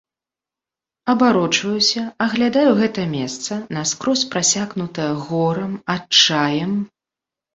Абарочваюся, аглядаю гэта месца, наскрозь прасякнутае горам, адчаем.